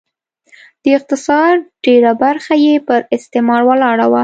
د اقتصاد ډېره برخه یې پر استثمار ولاړه وه